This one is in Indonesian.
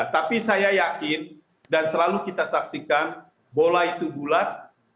tapi saya yakin dan selalu kita saksikan bola itu bulat